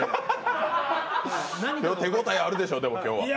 手応えあるでしょ、今日。